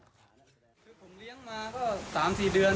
คือผมเลี้ยงมาก็๓๔เดือน